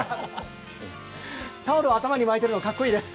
タオルを頭に巻いているのかっこいいです。